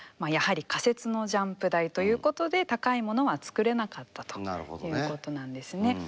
やはり仮設のジャンプ台ということで高いものはつくれなかったということなんですね。